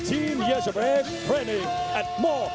สร้างการที่กระทะนัก